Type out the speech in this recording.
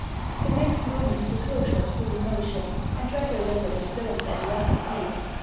The next moment, the coach was put in motion, and rattled over the stones at a rapid pace.